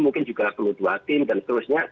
mungkin juga perlu dua tim dan seterusnya